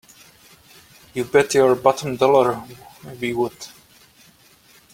You bet your bottom dollar we would!